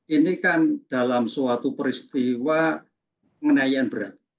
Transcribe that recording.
ini kan dalam suatu peristiwa penganiayaan berat